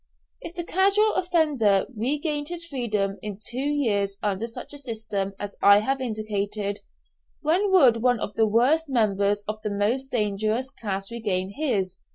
If the casual offender regained his freedom in two years under such a system as I have indicated, when would one of the worst members of the most dangerous class regain his?